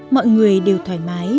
mọi người đều thoải mái